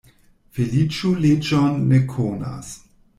Feliĉo leĝon ne konas.